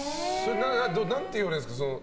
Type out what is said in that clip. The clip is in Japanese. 何て言われるんですか？